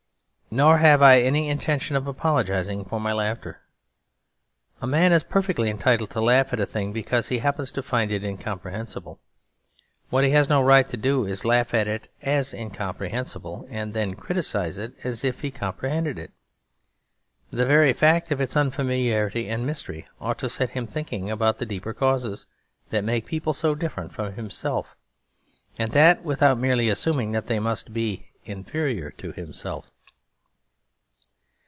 Nor have I any intention of apologising for my laughter. A man is perfectly entitled to laugh at a thing because he happens to find it incomprehensible. What he has no right to do is to laugh at it as incomprehensible, and then criticise it as if he comprehended it. The very fact of its unfamiliarity and mystery ought to set him thinking about the deeper causes that make people so different from himself, and that without merely assuming that they must be inferior to himself.